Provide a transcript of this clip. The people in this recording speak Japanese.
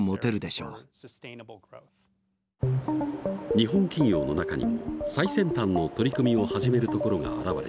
日本企業の中にも最先端の取り組みを始めるところが現れた。